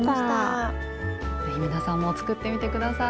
是非皆さんも作ってみて下さい。